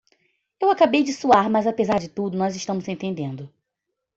Eu acabei de suar, mas apesar de tudo, nós estamos entendendo.